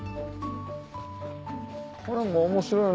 これも面白いね